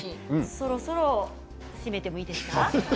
そろそろ締めてもいいですか？